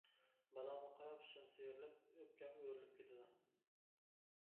بالامغا قاراپ ئىچىم سىيرىلىپ، ئۆپكەم ئۆرۈلۈپ كېتىدۇ.